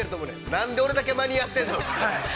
なんで俺だけ、間に合ってるのって。